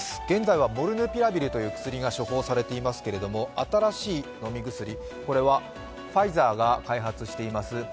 現在はモルヌピラビルという薬が処方されていますけれども、新しい飲み薬ファイザーが開発しています